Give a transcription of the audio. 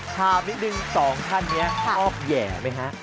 ถามนิดหนึ่ง๒ท่านนี้ชอบแหย่ไหมคะ